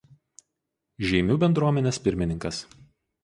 Žeimių bendruomenės pirmininkas.